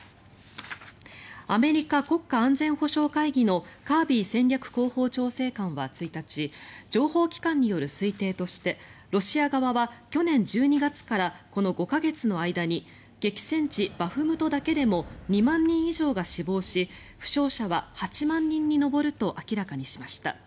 アメリカ国家安全保障会議のカービー戦略広報調整官は１日情報機関による推定としてロシア側は去年１２月からこの５か月の間に激戦地バフムトだけでも２万人以上が死亡し負傷者は８万人に上ると明らかにしました。